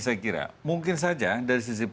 saya kira mungkin saja dari sisi